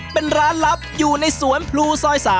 เป็นร้านลับอยู่ในสวนพลูซอย๓